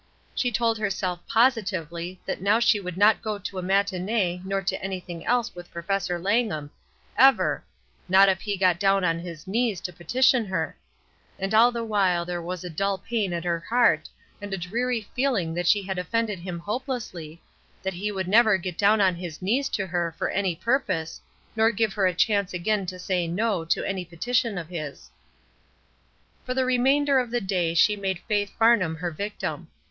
She told herself positively that now she would not go to a matinee nor to any thing else with Professor Langham, ever, not if he got down on his knees to petition her; and all the while there was a dull pain at her heart and a dreary feeUng that she had offended him hopelessly, that he would never get down ON THE TRAIL 153 on his knees to her for any purpose, nor give her a chance again to say "No" to any petition of his. For the remainder of the day she made Faith Farnham her victim.